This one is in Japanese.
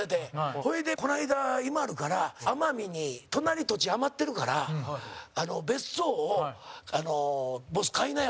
ほいで、この間、ＩＭＡＬＵから「奄美に、隣、土地余ってるから別荘を、ボス、買いなよ」